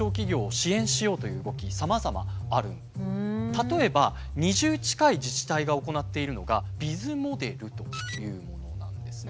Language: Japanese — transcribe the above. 例えば２０近い自治体が行っているのが「ビズモデル」というものなんですね。